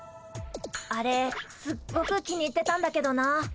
あれすっごく気に入ってたんだけどな。